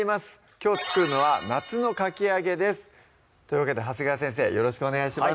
きょう作るのは「夏のかき揚げ」ですというわけで長谷川先生よろしくお願いします